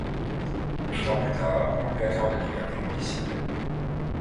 Huit ans plus tard, on lui accorde la liberté conditionnelle.